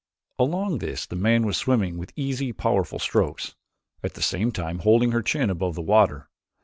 Along this the man was swimming with easy powerful strokes, at the same time holding her chin above the water.